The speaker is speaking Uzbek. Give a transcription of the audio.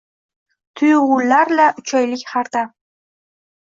Tuyg’ular-la uchaylik har dam.